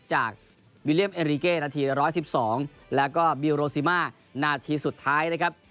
จากวิลเลี่ยมเอริเกนาที๑๑๒แล้วก็บิลโรซิมานาทีสุดท้ายนะครับ